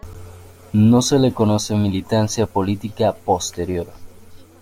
No se le conoce militancia política posterior.